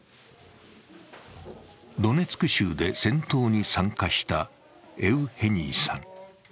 ドネツク州で戦闘に参加したエウヘニイさん。